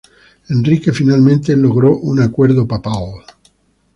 Enrique finalmente logró un acuerdo papal.